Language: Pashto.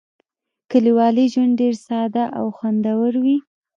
کلیوالي ژوند ډېر ساده او خوندور وي.